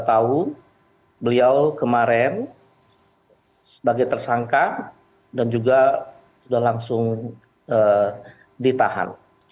tahu beliau kemarin sebagai tersangka dan juga sudah langsung ditahan